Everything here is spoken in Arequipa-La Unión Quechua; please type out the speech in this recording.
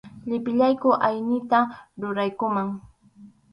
Llipillayku aynita ruraykuman.